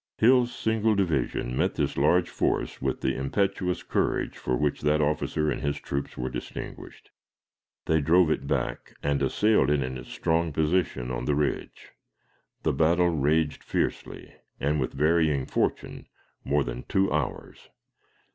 Hill's single division met this large force with the impetuous courage for which that officer and his troops were distinguished. They drove it back, and assailed it in its strong position on the ridge. The battle raged fiercely, and with varying fortune, more than two hours.